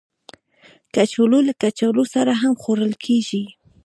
کچالو له کچالو سره هم خوړل کېږي